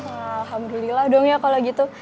alhamdulillah dong ya kalau gitu